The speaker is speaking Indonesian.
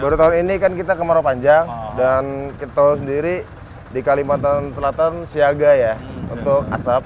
baru tahun ini kan kita kemarau panjang dan kita sendiri di kalimantan selatan siaga ya untuk asap